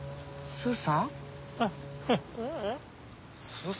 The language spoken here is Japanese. スーさん！